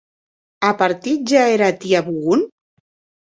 A partit ja era tia Bougon?